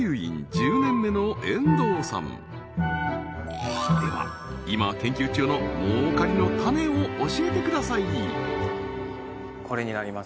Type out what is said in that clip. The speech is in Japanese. １０年目の遠藤さんでは今研究中の儲かりの種を教えてください！